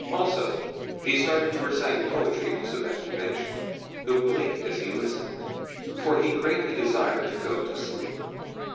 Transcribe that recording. Also, he started to recite poetry to Sobakevitch, who blinked as he listened, for he greatly desired to go to sleep.